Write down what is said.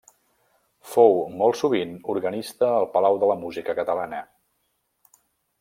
Fou molt sovint organista al Palau de la Música Catalana.